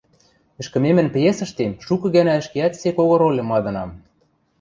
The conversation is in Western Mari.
Ӹшкӹмемӹн пьесӹштем шукы гӓнӓ ӹшкеӓт сек кого рольым мадынам.